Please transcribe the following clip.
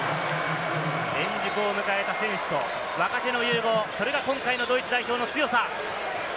円熟を迎えた選手と若手の融合、それが今回のドイツ代表の強さ。